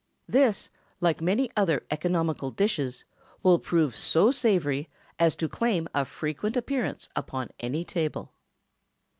This, like many other economical dishes, will prove so savory as to claim a frequent appearance upon any table.